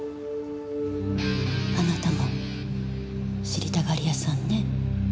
あなたも知りたがり屋さんね。